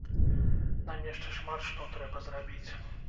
Нам яшчэ шмат што трэба зрабіць.